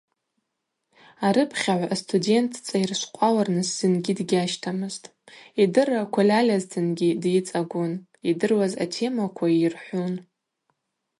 Арыпхьагӏв астудент дцӏайыршвкъвалырныс зынгьи дгьащтамызтӏ: йдырраква льальазтынгьи дйыцӏагвун, йдыруаз атемаква ййырхӏвун.